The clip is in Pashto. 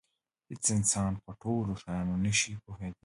هېڅ انسان په ټولو شیانو نه شي پوهېدلی.